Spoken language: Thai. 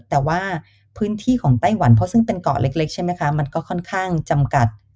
แต่ว่าพื้นที่ของไต้หวันเพราะซึ่งเป็นเกาะเล็กใช่ไหมคะมันก็ค่อนข้างจำกัด